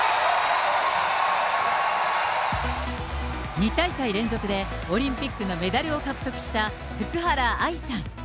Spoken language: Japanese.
２大会連続でオリンピックのメダルを獲得した福原愛さん。